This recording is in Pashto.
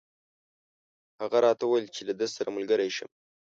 هغه راته وویل چې له ده سره ملګری شم.